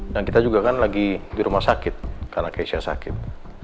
dan kita juga kan lagi di rumah sakit karena keisha sakit